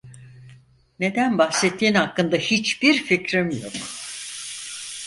Neden bahsettiğin hakkında hiçbir fikrim yok.